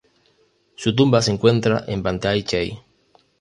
Su tumba se encuentra en "Banteay Chey".